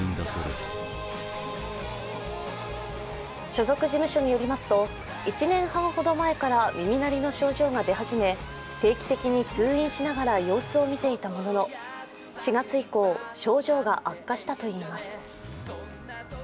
所属事務所によりますと１年半ほど前から耳鳴りの症状が出始め定期的に通院しながら様子を見ていたものの４月以降、症状が悪化したといいます。